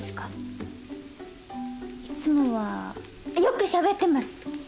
いつもはよくしゃべってます！